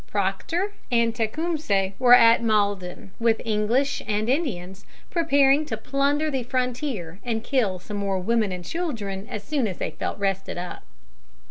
Proctor and Tecumseh were at Malden, with English and Indians, preparing to plunder the frontier and kill some more women and children as soon as they felt rested up.